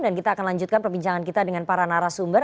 dan kita akan lanjutkan perbincangan kita dengan para narasumber